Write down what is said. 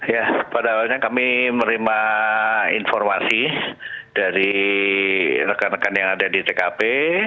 ya pada awalnya kami menerima informasi dari rekan rekan yang ada di tkp